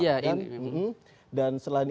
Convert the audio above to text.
iya ini memang